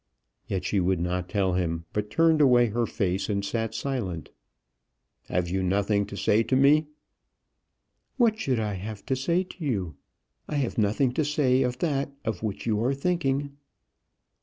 Yet she would not tell him; but turned away her face and sat silent. "Have you nothing to say to me?" "What should I have to say to you? I have nothing to say of that of which you are thinking."